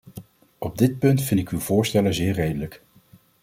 Op dit punt vind ik uw voorstellen zeer redelijk.